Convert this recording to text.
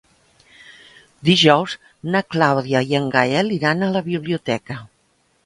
Dijous na Clàudia i en Gaël iran a la biblioteca.